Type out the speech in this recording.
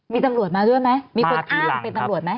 มีตำรวจมาด้วยไหมมีคนอ้างเป็นตำรวจไหม